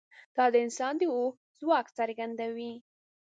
دا د انسان د هوښ ځواک څرګندوي.